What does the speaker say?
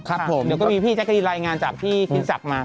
ครับผมเดี๋ยวก็มีพี่แจ๊กรีนรายงานจากพี่กินศักดิ์มา